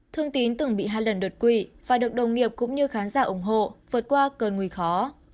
thương tín từng bị hai lần đột quỵ phải được đồng nghiệp cũng như khán giả ủng hộ vượt qua cơn nguy khó